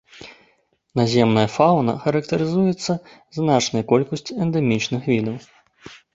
Наземная фаўна характарызуецца значнай колькасцю эндэмічных відаў.